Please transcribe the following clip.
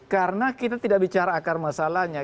karena kita tidak bicara akar masalahnya